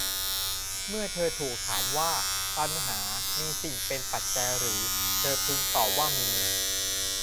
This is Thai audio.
เมื่อเธอถูกถามว่า ตัณหามีสิ่งเป็นปัจจัยหรือ เธอพึงตอบว่ามี